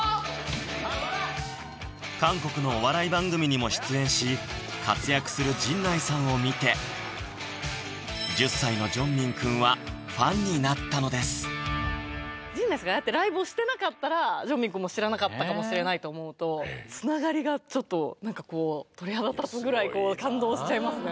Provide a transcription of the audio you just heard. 韓国のお笑い番組にも出演し活躍する陣内さんを見て１０歳のジョンミン君はファンになったのです陣内さんがああやってライブをしてなかったらジョンミン君も知らなかったかもしれないと思うとつながりがちょっと何かこう鳥肌立つぐらい感動しちゃいますね